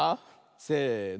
せの。